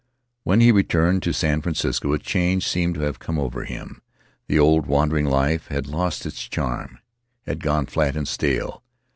When he returned to San Francisco a change seemed to have come over him; the old, wandering life had lost its charm — had gone flat and stale.